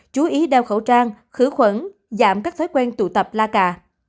chú ý đeo khẩu trang khử khuẩn giảm các thói quen tụ tập la cà